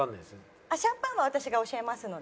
シャンパンは私が教えますので。